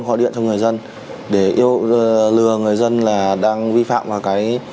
gọi điện cho người dân để lừa người dân là đang vi phạm vào cái